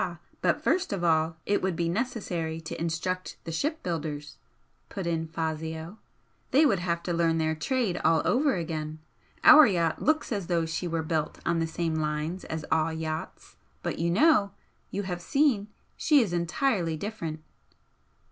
but first of all it would be necessary to instruct the shipbuilders!" put in Fazio "They would have to learn their trade all over again. Our yacht looks as though she were built on the same lines as all yachts, but you know you have seen she is entirely different!"